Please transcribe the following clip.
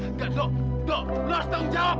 enggak lo harus tanggung jawab